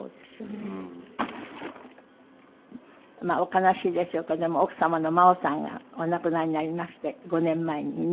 まあお悲しいでしょうけども奥様の麻央さんがお亡くなりになりまして５年前に。